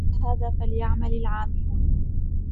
لِمِثْلِ هَذَا فَلْيَعْمَلِ الْعَامِلُونَ